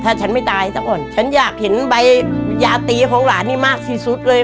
ถ้าฉันไม่ตายซะก่อนฉันอยากเห็นใบยาตีของหลานนี่มากที่สุดเลย